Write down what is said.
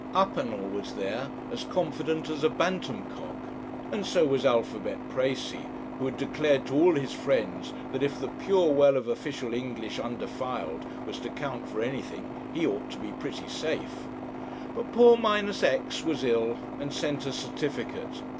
Uppinall was there, as confident as a bantam cock; and so was Alphabet Precis, who had declared to all his friends that if the pure well of official English undefiled was to count for anything, he ought to be pretty safe. But poor Minusex was ill, and sent a certificate.